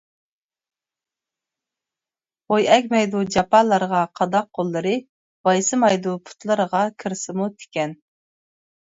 بوي ئەگمەيدۇ جاپالارغا قاداق قوللىرى، ۋايسىمايدۇ پۇتلىرىغا كىرسىمۇ تىكەن.